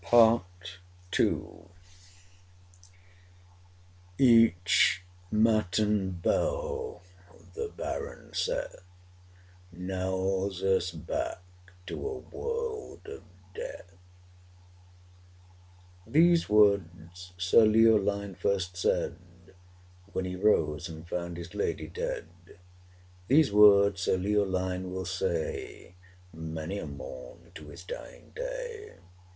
1797. PART II Each matin bell, the Baron saith, Knells us back to a world of death. These words Sir Leoline first said, When he rose and found his lady dead: 335 These words Sir Leoline will say Many a morn to his dying day!